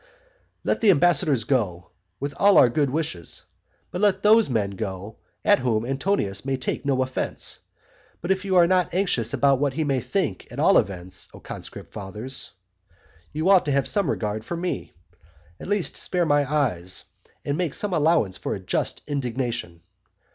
VIII. Let the ambassadors go, with all our good wishes, but let those men go at whom Antonius may take no offence. But if you are not anxious about what he may think, at all events. O conscript fathers, you ought to have some regard for me. At least spare my eyes, and make some allowance for a just indignation.